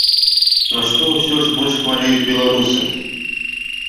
На што усё ж больш хварэюць беларусы?